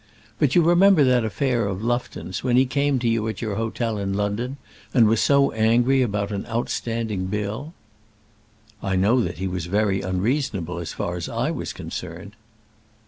But you remember that affair of Lufton's, when he came to you at your hotel in London and was so angry about an outstanding bill." "I know that he was very unreasonable as far as I was concerned."